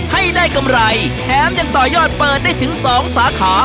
ให้ได้กำไรแถมยังต่อยอดเปิดได้ถึง๒สาขา